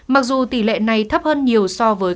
mặc dù tỷ lệ này thấp hơn nhiều so với